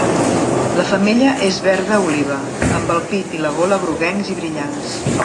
La femella és verda oliva, amb el pit i la gola groguencs i brillants.